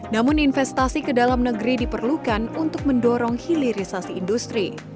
namun investasi ke dalam negeri diperlukan untuk mendorong hilirisasi industri